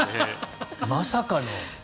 まさかの。